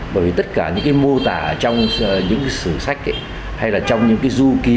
bởi vì tất cả những mô tả trong những sử sách hay là trong những du ký